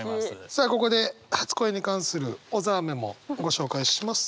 さあここで初恋に関する小沢メモご紹介します。